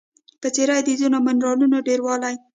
په څېر د ځینو منرالونو ډیروالی